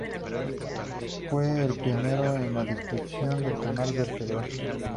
Fue el pionero en la descripción del canal vertebral.